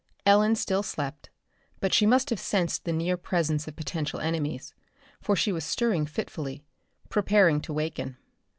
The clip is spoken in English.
Ellen still slept, but she must have sensed the near presence of potential enemies, for she was stirring fitfully, preparing to waken.